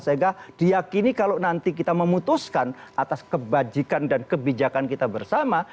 sehingga diakini kalau nanti kita memutuskan atas kebajikan dan kebijakan kita bersama